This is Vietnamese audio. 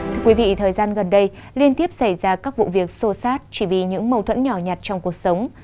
thưa quý vị thời gian gần đây liên tiếp xảy ra các vụ việc sô sát chỉ vì những mâu thuẫn nhỏ nhạt trong cuộc sống